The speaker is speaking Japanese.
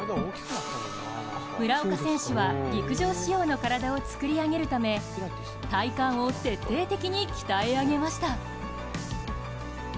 村岡選手は陸上仕様の体を作り上げるため体幹を徹底的に鍛え上げました。